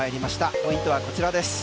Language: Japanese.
ポイントはこちらです。